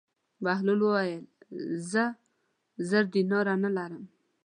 بهلول وویل: زه زر دیناره نه لرم.